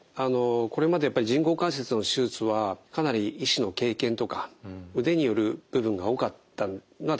これまでやっぱり人工関節の手術はかなり医師の経験とか腕による部分が多かったのは確かです。